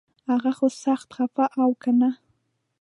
هغه خو سخت خفه و کنه